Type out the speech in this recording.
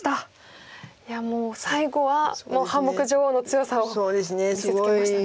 いやもう最後は半目女王の強さを見せつけましたね。